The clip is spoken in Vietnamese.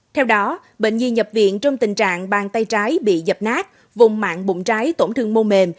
theo đó bệnh nhi nhập viện trong tình trạng bàn tay trái bị dập nát vùng mạng bụng trái tổn thương mô mềm